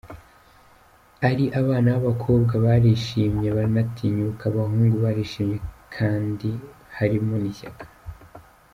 Ari abana b’abakobwa barishimye baranatinyuka, abahungu barishimye kandi harimo n’ishyaka.